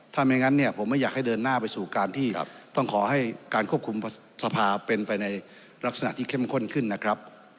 ถ้าไม่งั้นเนี่ยผมไม่อยากให้เดินหน้าไปสู่การที่ต้องขอให้การควบคุมสภาเป็นไปในลักษณะที่เข้มข้นขึ้นนะครับ